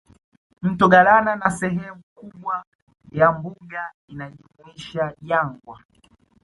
Mto Galana na Sehemu kubwa ya mbuga inajumuisha jangwa